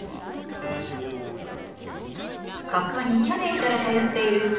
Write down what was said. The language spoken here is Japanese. ここに去年から通っているそうたくん。